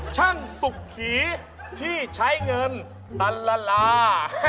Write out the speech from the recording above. ช่างสุขีที่ใช้เงินตันละลา